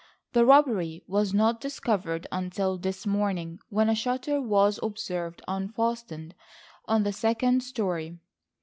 The robbery was not discovered until this morning when a shutter was observed unfastened on the second story.